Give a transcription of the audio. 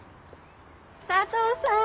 佐藤さん